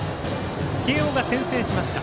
慶応が先制しました。